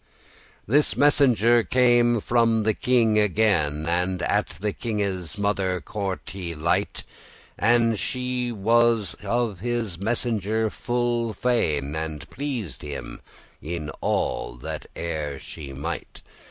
This messenger came from the king again, And at the kinge's mother's court he light,* *alighted And she was of this messenger full fain,* *glad And pleased him in all that e'er she might.